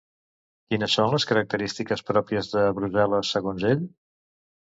Quines són les característiques pròpies de Brussel·les, segons ell?